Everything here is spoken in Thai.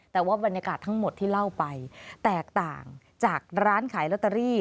แต่ว่าบรรยากาศทั้งหมดที่เล่าไปแตกต่างจากร้านขายลอตเตอรี่